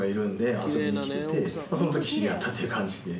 その時知り合ったっていう感じで。